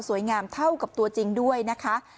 งามเท่ากับตัวจริงด้วยนะคะ